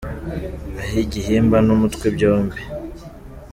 Ah'igihimba n'umutwe byombi.